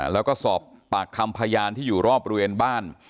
แล้วก็สอบปากคำพยานที่อยู่รอบบริเวณบ้าน